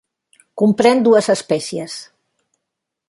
Comprèn dues espècies.